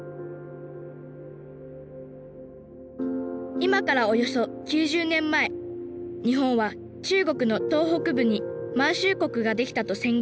今からおよそ９０年前日本は中国の東北部に満州国ができたと宣言。